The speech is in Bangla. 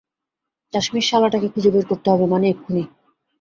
চাশমিশ শালাটাকে খুঁজে বের করতে হবে, মানে, এক্ষুণি।